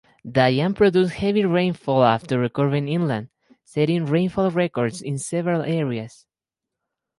Diane produced heavy rainfall after recurving inland, setting rainfall records in several areas.